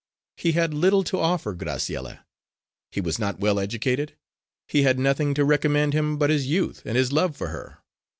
He had little to offer Graciella. He was not well educated; he had nothing to recommend him but his youth and his love for her.